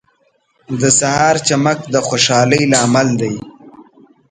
• د سهار چمک د خوشحالۍ لامل دی.